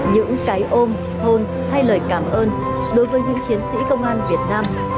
những cái ôm hôn thay lời cảm ơn đối với những chiến sĩ công an việt nam